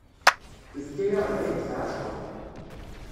Ifka-yaɣ lεid i tεacurt.